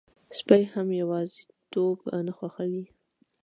سپي هم یواځيتوب نه خوښوي.